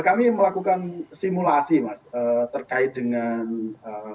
kami melakukan simulasi mas terkait dengan gaji dan pekerjaan